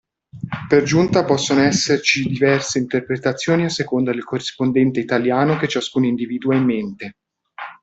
Per giunta possono esserci diverse interpretazioni a seconda del corrispondente italiano che ciascun individuo ha in mente.